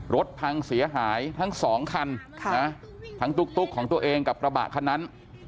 รถพังเสียหายทั้งสองคันทั้งตุ๊กของตัวเองกับกระบะคันนั้น